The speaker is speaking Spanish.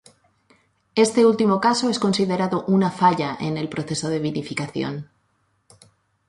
Este último caso es considerado una falla en el proceso de vinificación.